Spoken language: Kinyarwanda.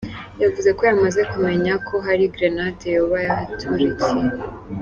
Yavuze ko yamaze kumenya ko hari grenade yoba yahaturikiye.